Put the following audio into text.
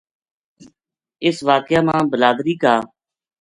اس واقعہ ما بلادری کا